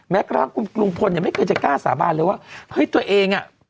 กระทั่งคุณลุงพลเนี่ยไม่เคยจะกล้าสาบานเลยว่าเฮ้ยตัวเองอ่ะ